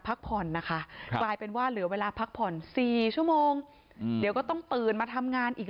พักผ่อนนะคะกลายเป็นว่าเหลือเวลาพักผ่อน๔ชั่วโมงเดี๋ยวก็ต้องตื่นมาทำงานอีก